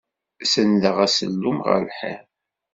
Senndeɣ asellum ɣer lḥiḍ.